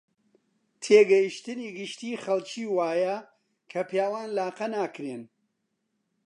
تێگەیشتنی گشتیی خەڵکی وایە کە پیاوان لاقە ناکرێن